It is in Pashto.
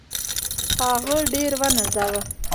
هغه ډېر ونازاوه.